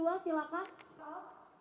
untuk pertanyaannya pertanyaan kedua silakan